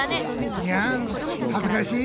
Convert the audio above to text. いやんはずかしい。